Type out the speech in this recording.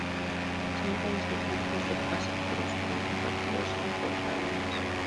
Cinco de sus buques de pasajeros fueron convertidos en portaaviones.